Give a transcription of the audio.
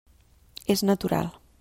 És natural.